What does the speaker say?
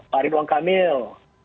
pak ridwan kamil